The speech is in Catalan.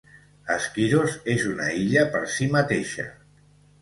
Skyros és una illa per si mateixa.